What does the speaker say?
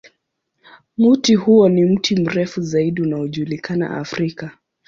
Mti huo ni mti mrefu zaidi unaojulikana Afrika.